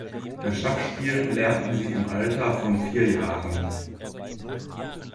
Das Schachspielen lernte sie im Alter von vier Jahren.